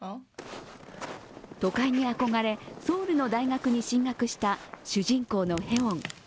都会に憧れ、ソウルの大学に進学した、主人公のヘウォン。